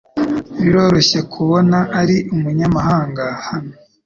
Biroroshye kubona ari umunyamahanga hano.